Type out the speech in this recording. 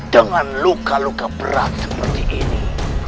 dengan luka luka berat seperti ini